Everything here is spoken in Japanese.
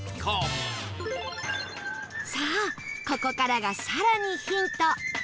さあここからが更にヒント